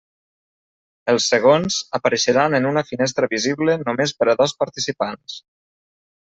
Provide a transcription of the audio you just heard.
Els segons, apareixeran en una finestra visible només per a dos participants.